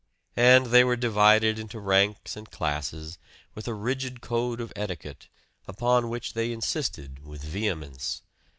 And they were divided into ranks and classes, with a rigid code of etiquette, upon which they insisted with vehemence.